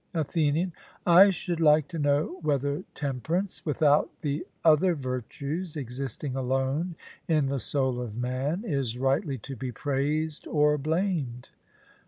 ATHENIAN: I should like to know whether temperance without the other virtues, existing alone in the soul of man, is rightly to be praised or blamed?